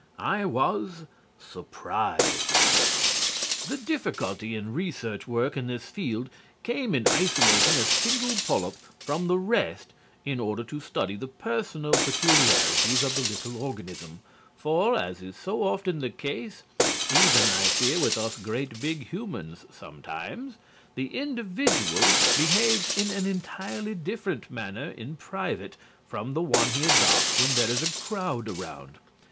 I was surprised. The difficulty in research work in this field came in isolating a single polyp from the rest in order to study the personal peculiarities of the little organism, for, as is so often the case (even, I fear, with us great big humans sometimes), the individual behaves in an entirely different manner in private from the one he adopts when there is a crowd around.